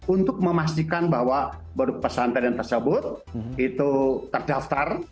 untuk memastikan bahwa pesantren tersebut itu terdaftar